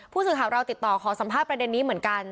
ผู้สื่อข่าวเราติดต่อขอสัมภาษณ์ประเด็นนี้เหมือนกัน